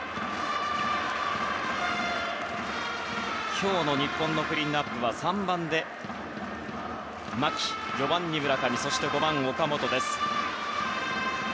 今日の日本のクリーンアップは３番で牧４番に村上、５番に岡本です。